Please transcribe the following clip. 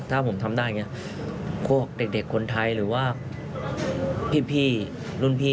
ถ้าผมทำได้อย่างนี้พวกเด็กคนไทยหรือว่าพี่รุ่นพี่